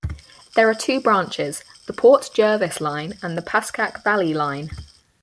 There are two branches: the Port Jervis Line and the Pascack Valley Line.